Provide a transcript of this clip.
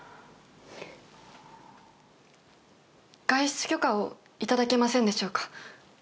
外出許可を頂けませんでしょうか？